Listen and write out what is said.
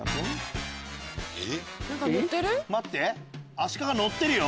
アシカが乗ってるよ。